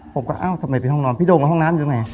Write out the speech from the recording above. ผมก็เอ้าทำไมเป็นห้องนอนพี่โดมกับห้องน้ำอยู่ไหน